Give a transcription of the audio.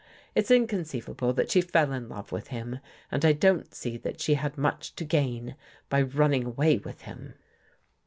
It's inconceivable that she fell in love with him, and I don't see that she had much to gain by running away with him."